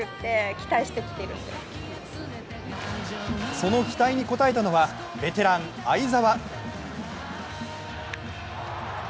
その期待に応えたのはベテラン・會澤。